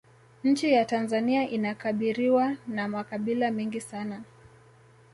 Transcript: nchi ya tanzania inakabiriwa na makabila mengi sana